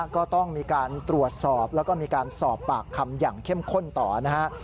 ก็ต้องมีการตรวจสอบแล้วก็มีการสอบปากคำอย่างเข้มข้นต่อนะฮะ